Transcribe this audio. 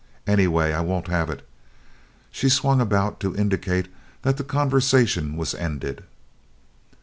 Anyway, I won't have it." She swung about to indicate that the conversation was ended.